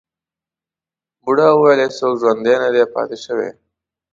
بوډا وویل هیڅوک ژوندی نه دی پاتې شوی.